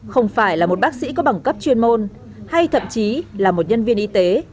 không phải là một bác sĩ có bằng cấp chuyên môn hay thậm chí là một nhân viên y tế